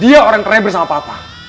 dia orang terabris sama papa